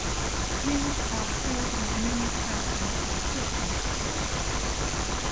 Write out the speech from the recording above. These are filled with many camping and picnic spots.